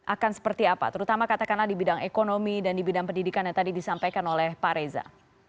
akan seperti apa terutama katakanlah di bidang ekonomi dan di bidang pendidikan yang tadi disampaikan oleh pak reza